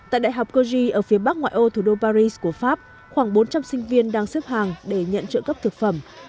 tại đại học cogi ở phía bắc ngoại ô thủ đô paris của pháp khoảng bốn trăm linh sinh viên đang xếp hàng để nhận trợ cấp thực phẩm